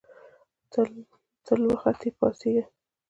تل وختي پاڅیږه